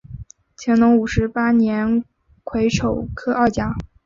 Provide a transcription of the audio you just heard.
乾隆五十八年癸丑科二甲。